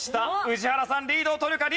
宇治原さんリードを取るか？